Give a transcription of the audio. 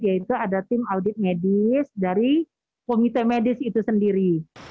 yaitu ada tim audit medis dari komite medis itu sendiri